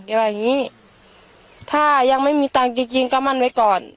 ว่าอย่างงี้ถ้ายังไม่มีตังค์จริงจริงก็มั่นไว้ก่อน